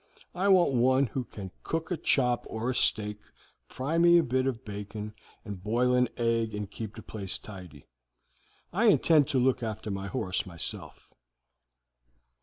I want one who can cook a chop or a steak, fry me a bit of bacon, and boil an egg and keep the place tidy. I intend to look after my horse myself.'